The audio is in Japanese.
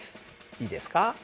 いいですか？